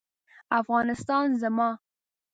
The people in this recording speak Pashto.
افغانستان زما